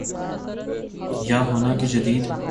یا ہونا کہ جدید